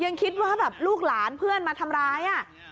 ยังคิดว่าแบบลูกหลานเพื่อนมาทำร้าย